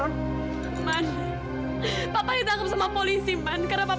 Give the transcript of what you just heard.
tolong penantrin aku ke kantor polisi man sekarang